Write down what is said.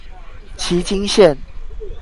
旗津線